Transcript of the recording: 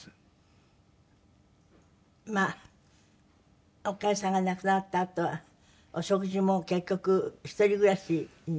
まあ岡江さんが亡くなったあとはお食事も結局一人暮らしみたいになって。